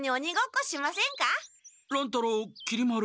乱太郎きり丸。